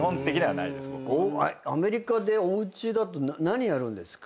アメリカでおうちだと何やるんですか？